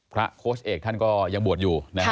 โค้ชเอกท่านก็ยังบวชอยู่